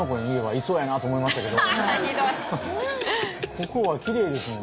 ここはきれいですよね。